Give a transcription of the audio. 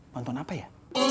bantuan apa ya